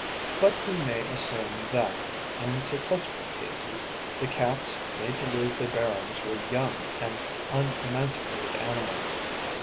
But we may assume that, in successful cases, the Cats made to lose their bearings were young and unemancipated animals.